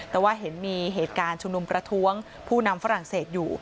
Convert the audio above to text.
แต่ว่าเห็นมีเหตุการณ์ชุมนุมประท้วงผู้นำฝรั่งเศสอยู่